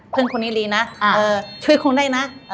เพื่อนคนนี้รีนะอ่าเออช่วยคุณได้นะเออ